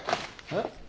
えっ？